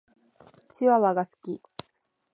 チワワが好き。